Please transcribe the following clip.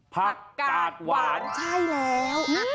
ผักกาดหวานใช่แล้ว